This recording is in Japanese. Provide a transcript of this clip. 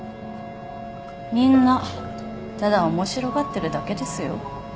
みんなただ面白がってるだけですよ。